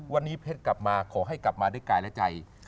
วันนี้เพชรกลับมาขอให้กลับมาด้วยกายและใจ